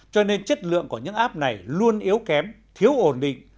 cho nên chất lượng của những app này luôn yếu kém thiếu ổn định